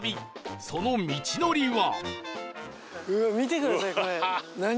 その道のりは